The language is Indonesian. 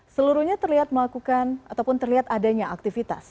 seluruhnya terlihat melakukan ataupun terlihat adanya aktivitas